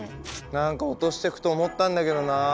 何か落としてくと思ったんだけどな。